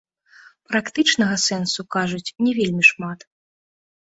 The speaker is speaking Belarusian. Практычнага сэнсу, кажуць, не вельмі шмат.